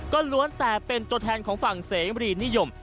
ก็ล้วนแต่เป็นตัวแทนของฝั่งเสมรีนิยม